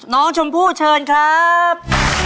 น้องชมพู่เชิญครับ